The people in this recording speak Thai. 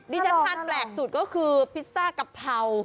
นี่จะทานแปลกสุดก็คือพิซซ่ากับเผา